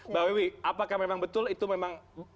mbak wiwi apakah memang betul itu memang